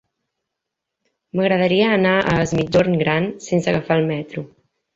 M'agradaria anar a Es Migjorn Gran sense agafar el metro.